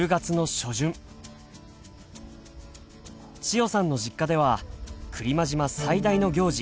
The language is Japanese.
千代さんの実家では来間島最大の行事